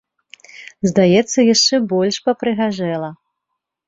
Здаецца, яшчэ больш папрыгажэла.